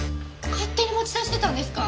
勝手に持ち出してたんですか！？